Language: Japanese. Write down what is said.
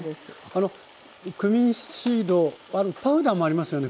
あのクミンシードパウダーもありますよね？